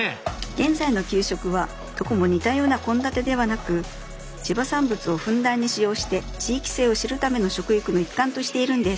現在の給食はどこも似たような献立ではなく地場産物をふんだんに使用して地域性を知るための食育の一環としているんです。